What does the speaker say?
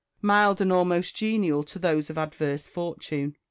mild and almost genial to those of adverse fortune.